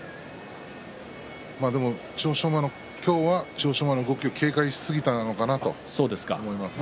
でも今日は千代翔馬の動きを警戒しすぎたのかなと思います。